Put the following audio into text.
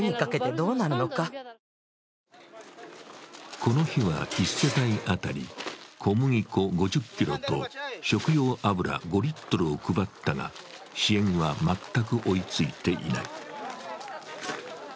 この日は１世帯当たり小麦粉５０ｋｇと食用油５リットルを配ったが支援は全く追いついていない。